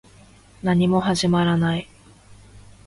何も始まらない